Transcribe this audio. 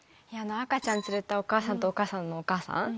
赤ちゃん連れたお母さんと、お母さんのお母さん。